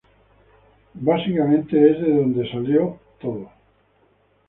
Es básicamente de donde salió todo.